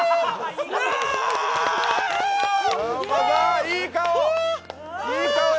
いい顔よ！